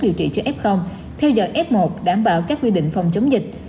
điều trị cho f theo giờ f một đảm bảo các quy định phòng chống dịch